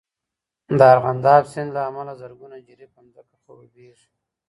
د ارغنداب سیند له امله زرګونه جریبه ځمکه خړوبېږي.